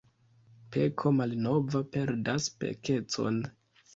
Peko malnova perdas pekecon.